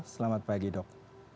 selamat pagi dok